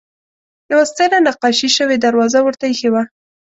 یوه ستره نقاشي شوې دروازه ورته اېښې وه.